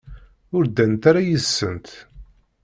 Ur ddant ara yid-sent.